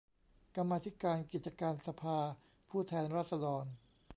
กรรมาธิการกิจการสภาผู้แทนราษฎร